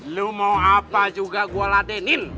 lu mau apa juga gua ladenin